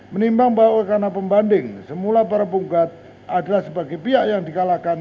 menimbang bahwa karena pembanding semula para punggat adalah sebagai pihak yang dikalahkan